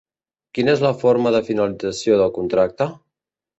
Quina és la forma de finalització del contracte?